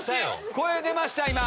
声出ました今。